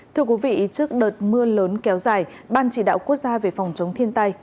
thưa quý vị trước đợt mưa lớn kéo dài ban chỉ đạo quốc gia về phòng chống thiên tai